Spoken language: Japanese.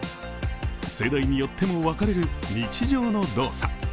世代によっても分かれる日常の動作。